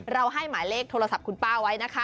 ให้หมายเลขโทรศัพท์คุณป้าไว้นะคะ